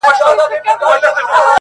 ستا او ورور تر مابین ډېره فاصله ده.